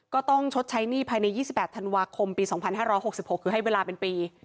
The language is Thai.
ก็ต้องชดใช้หนี้ภายใน๒๘ธันวาคมปี๒๕๖๖คือให้เวลาเป็นปี